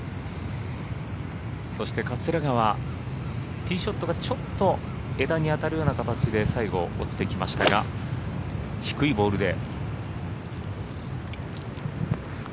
そして桂川、ティーショットがちょっと枝に当たるような形で最後、落ちてきましたが低いボールで。